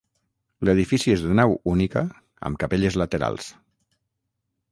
L'edifici és de nau única amb capelles laterals.